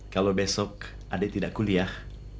kalau besok adik tidak kuliah